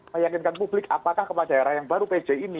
meyakinkan publik apakah kepala daerah yang baru pj ini